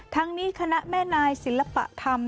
ทั้งนี้คณะแม่นายศิลปะธรรม